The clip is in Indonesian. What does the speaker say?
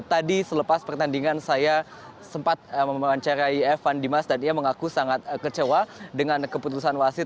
tadi selepas pertandingan saya sempat mewawancarai evan dimas dan ia mengaku sangat kecewa dengan keputusan wasit